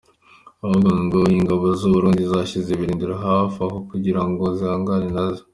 Ahubwo ngo ingabo z’u Burundi zashyize ibirindiro hafi aho kugira ngo zihangane nazo.